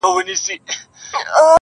دادی بیا نمک پاسي ده، پر زخمونو د ځپلو.